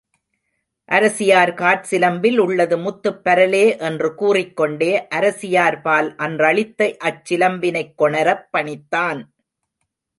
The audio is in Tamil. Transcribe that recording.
அரசியார் காற்சிலம்பில் உள்ளது முத்துப் பரலே, என்று கூறிக்கொண்டே, அரசியார் பால் அன்றளித்த அச் சிலம்பினைக் கொணரப் பணித்தான்.